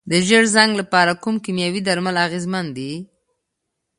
د ژیړ زنګ لپاره کوم کیمیاوي درمل اغیزمن دي؟